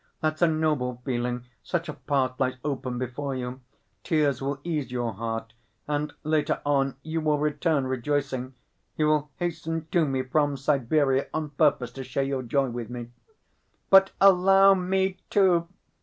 That's a noble feeling ... such a path lies open before you! Tears will ease your heart, and later on you will return rejoicing. You will hasten to me from Siberia on purpose to share your joy with me—" "But allow me, too!"